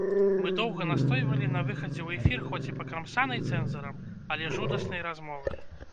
Мы доўга настойвалі на выхадзе ў эфір хоць і пакрамсанай цэнзарам, але жудаснай размовы.